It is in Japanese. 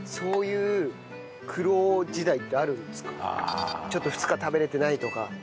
そういうちょっと２日食べられてないとか。